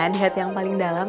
di hati yang paling dalam